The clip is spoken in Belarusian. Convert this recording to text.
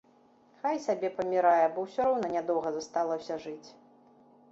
Хай сабе памірае, бо ўсё роўна нядоўга засталася жыць.